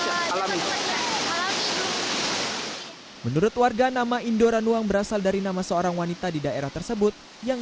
alami menurut warga nama indoranuang berasal dari nama seorang wanita di daerah tersebut yang